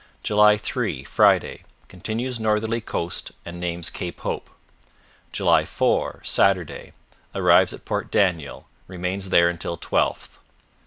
" 3 Friday Continues northerly course and names Cape Hope. " 4 Saturday Arrives at Port Daniel; remains there until 12th.